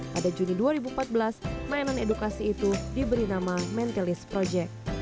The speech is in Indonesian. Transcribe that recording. pada juni dua ribu empat belas mainan edukasi itu diberi nama mentalis project